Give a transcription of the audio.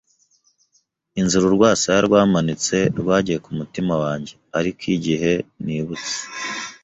inzira urwasaya rwamanitse rwagiye kumutima wanjye. Ariko igihe nibutse